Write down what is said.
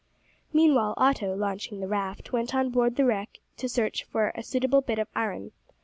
Meanwhile Otto, launching the raft, went on board the wreck to search for a suitable bit of iron.